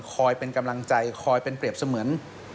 คอยเป็นกำลังใจคอยเป็นเปรียบเสมือน